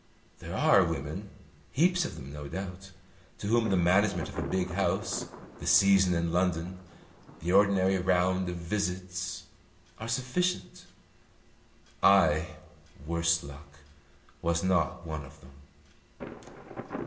There are women, heaps of them, no doubt, to whom the management of a big house, the season in London, the ordinary round of visits, are sufficient. I, worse luck, was not one of them.